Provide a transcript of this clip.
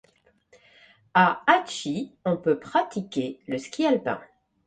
À Hadchit on peut pratiquer le ski alpin.